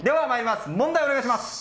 問題お願いします。